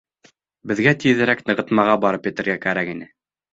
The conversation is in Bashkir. Беҙгә тиҙерәк нығытмаға барып етергә кәрәк ине.